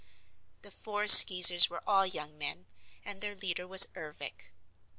The four Skeezers were all young men and their leader was Ervic.